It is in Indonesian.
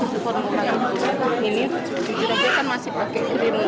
saya di rumah sakit ini di rumah sakit ini kan masih pakai krim